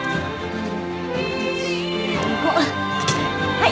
はい。